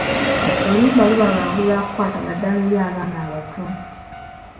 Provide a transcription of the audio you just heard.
Oluyimba luba lwangu lwa kukwata naddala eri abaana abato.